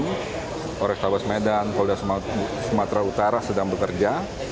polrestabes medan polda sumatera utara sedang bekerja